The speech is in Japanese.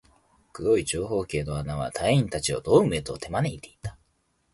黒い長方形の穴は、隊員達をドームへと手招いていた